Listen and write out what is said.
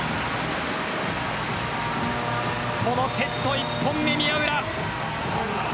このセット、１本目宮浦。